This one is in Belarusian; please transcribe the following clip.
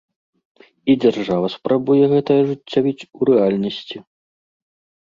І дзяржава спрабуе гэта ажыццявіць у рэальнасці.